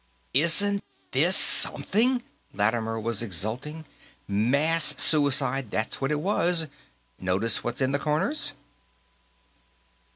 "Isn't this something!" Lattimer was exulting. "Mass suicide, that's what it was. Notice what's in the corners?"